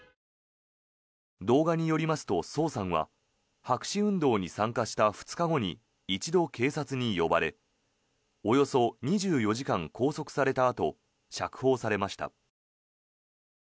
動画によりますとソウさんは白紙運動に参加した２日後に一度、警察に呼ばれおよそ２４時間拘束されたあと釈放されました。